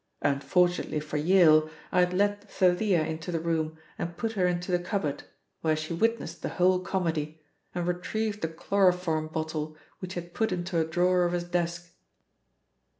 Unfortunately for Yale, I had let Thalia into the room and put her into the cupboard, where she witnessed the whole comedy and retrieved the chloroform bottle which he had put into a drawer of his desk."